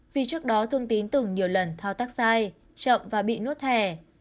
vì trước đó thương tín từng nhiều lần thao tác sai chậm và bị nuốt hẻ